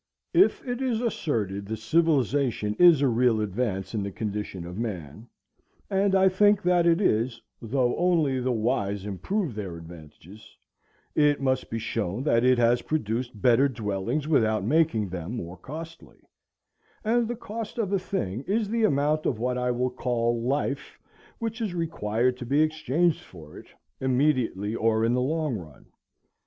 If it is asserted that civilization is a real advance in the condition of man,—and I think that it is, though only the wise improve their advantages,—it must be shown that it has produced better dwellings without making them more costly; and the cost of a thing is the amount of what I will call life which is required to be exchanged for it, immediately or in the long run.